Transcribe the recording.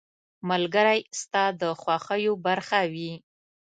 • ملګری ستا د خوښیو برخه وي.